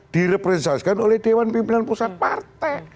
direpresentasikan oleh dewan pimpinan pusat partai